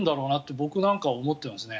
僕なんかは思ってますね。